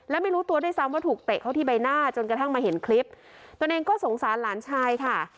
และไม่รู้ตัวด้วยซ้ำว่าถูกเตะเข้าที่ใบหน้าจนกระทั่งมาเห็นคลิปตัวเองก็สงสารหลานชายค่ะ